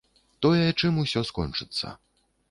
Тое, чым усё скончыцца.